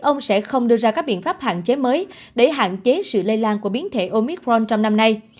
ông sẽ không đưa ra các biện pháp hạn chế mới để hạn chế sự lây lan của biến thể omicron trong năm nay